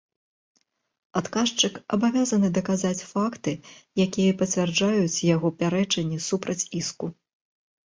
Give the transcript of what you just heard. Адказчык абавязаны даказаць факты, якія пацвярджаюць яго пярэчанні супраць іску.